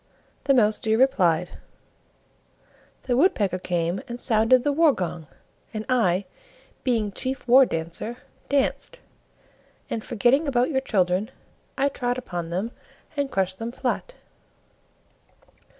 The Mouse deer replied: "The Woodpecker came and sounded the war gong, and I, being Chief War Dancer, danced; and, forgetting about your children, I trod upon them and crushed them flat."